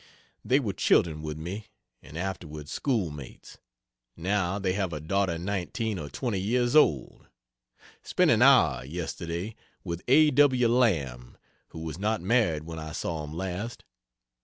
They were children with me, and afterwards schoolmates. Now they have a daughter 19 or 20 years old. Spent an hour, yesterday, with A. W. Lamb, who was not married when I saw him last.